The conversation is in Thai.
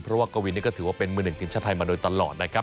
เพราะว่ากะวินนี้เป็นการมาร่วมครั้งนี้ครับ